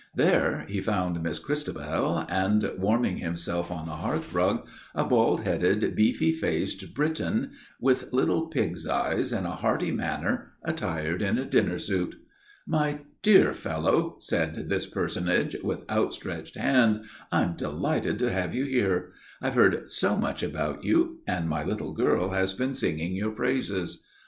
There he found Miss Christabel and, warming himself on the hearthrug, a bald headed, beefy faced Briton, with little pig's eyes and a hearty manner, attired in a dinner suit. "My dear fellow," said this personage, with outstretched hand, "I'm delighted to have you here. I've heard so much about you; and my little girl has been singing your praises."